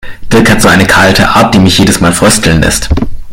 Dirk hat so eine kalte Art, die mich jedes Mal frösteln lässt.